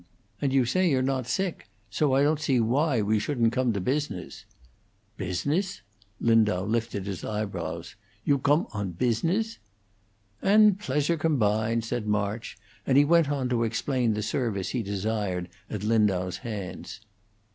And you say you're not sick, and so I don't see why we shouldn't come to business." "Pusiness?" Lindau lifted his eyebrows. "You gome on pusiness?" "And pleasure combined," said March, and he went on to explain the service he desired at Lindau's hands.